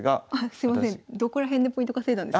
すいませんどこら辺でポイント稼いだんですか？